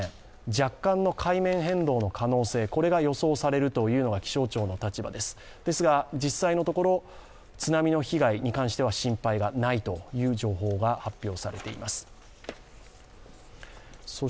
若干の海面変動の可能性が予想されるというのが気象庁の立場ですですが実際のところ津波の被害に関しては心配がないということが発表されています。